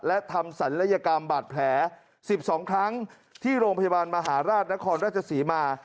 และทำศัลยกรรมบาดแผล๑๒ครั้งที่โรงพยาบาลมหาราชนครราชศรีมา